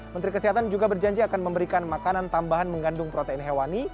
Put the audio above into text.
menteri kesehatan juga berjanji akan memberikan makanan tambahan mengandung protein hewani